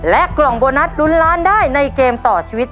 กล่องโบนัสลุ้นล้านได้ในเกมต่อชีวิต